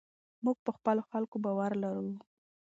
موږ په خپلو خلکو باور لرو.